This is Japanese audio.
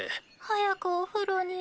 早くお風呂に。